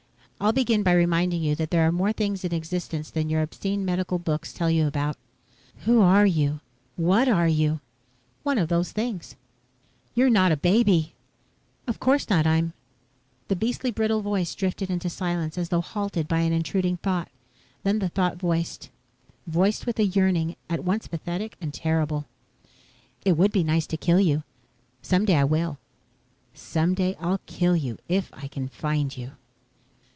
"I'll begin by reminding you that there are more things in existence than your obscene medical books tell you about." "Who are you? What are you?" "One of those things." "You're not a baby!" "Of course not. I'm ..." The beastly, brittle voice drifted into silence as though halted by an intruding thought. Then the thought voiced voiced with a yearning at once pathetic and terrible: "It would be nice to kill you. Someday I will. Someday I'll kill you if I can find you."